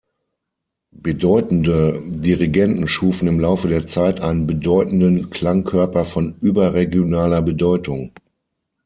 Bedeutende Dirigenten schufen im Laufe der Zeit einen bedeutenden Klangkörper von überregionaler Bedeutung.